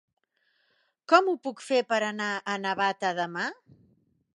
Com ho puc fer per anar a Navata demà?